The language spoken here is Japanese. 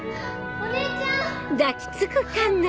お姉ちゃん！